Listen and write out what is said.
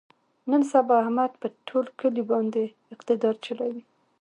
نن سبا احمد په ټول کلي باندې اقتدار چلوي.